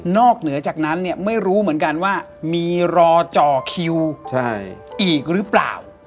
เหนือจากนั้นเนี่ยไม่รู้เหมือนกันว่ามีรอเจาะคิวอีกหรือเปล่า